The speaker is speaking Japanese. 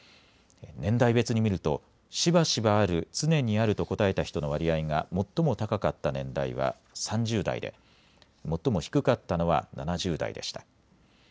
年代別に見るとしばしばある・常にあると答えた人の割合が最も高かった年代は３０代で最も低かったのは７０代でした。